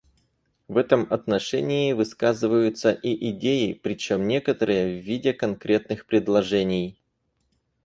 В этом отношении высказываются и идеи, причем некоторые − в виде конкретных предложений.